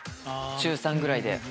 中３ぐらいで。